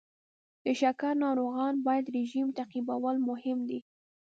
د شکر ناروغان باید رژیم تعقیبول مهم دی.